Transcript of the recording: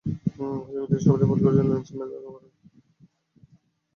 ফেসবুকে তিনি সর্বশেষ পোস্ট করেছেন নেলসন ম্যান্ডেলার কারাগারের ওপরে একটা ভিডিও।